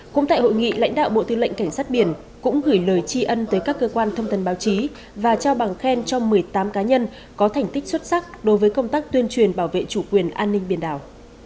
cũng tại hội nghị lãnh đạo bộ tư lệnh cảnh sát biển cũng gửi lời tri ân tới các cơ quan thông tin báo chí và trao bằng khen cho một mươi tám cá nhân có thành tích xuất sắc đối với công tác tuyên truyền bảo vệ chủ quyền an ninh biển đảo